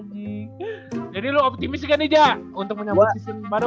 jadi lu optimis kan nih jah untuk menyambut season baru